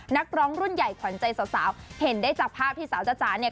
นักร้องรุ่นใหญ่ขวัญใจสาวเห็นได้จากภาพที่สาวจ้าจ๋าเนี่ย